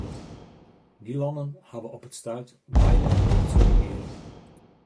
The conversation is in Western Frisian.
Dy lannen hawwe op it stuit beide rjochtse regearingen.